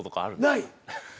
ない。